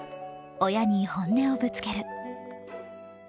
親に本音をぶつける。